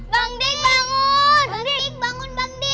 bang dik bangun